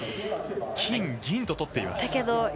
金、銀ととっています。